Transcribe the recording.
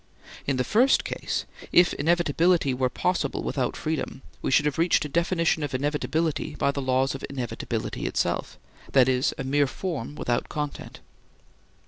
In the first case, if inevitability were possible without freedom we should have reached a definition of inevitability by the laws of inevitability itself, that is, a mere form without content.